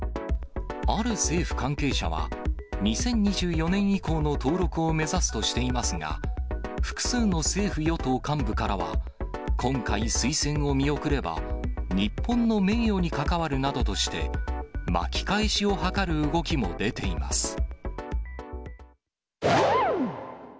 ある政府関係者は、２０２４年以降の登録を目指すとしていますが、複数の政府与党幹部からは、今回、推薦を見送れば、日本の名誉にかかわるなどとして、巻き返しを図る動きも出ています。